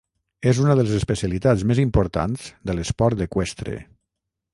És una de les especialitats més importants de l'esport eqüestre.